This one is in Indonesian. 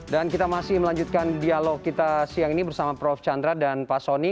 dan kita masih melanjutkan dialog kita siang ini bersama prof chandra dan pak sony